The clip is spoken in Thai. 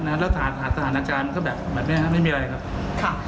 นะฮะแล้วสถานสถานการณ์ก็แบบแบบเนี้ยครับไม่มีอะไรครับค่ะ